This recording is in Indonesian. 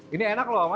ini enak loh mama